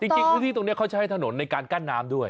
จริงพื้นที่ตรงนี้เขาใช้ถนนในการกั้นน้ำด้วย